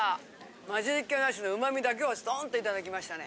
混じりっけなしの旨味だけをストンといただきましたね。